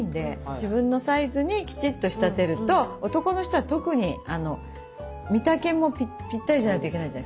自分のサイズにきちっと仕立てると男の人は特に身丈もぴったりじゃないといけないじゃないですか。